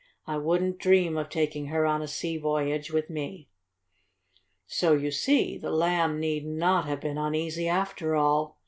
"I wouldn't dream of taking her on a sea voyage with me." So you see the Lamb need not have been uneasy after all.